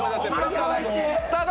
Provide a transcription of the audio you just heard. スタート！